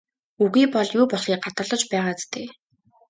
Үгүй бол юу болохыг гадарлаж байгаа биз дээ?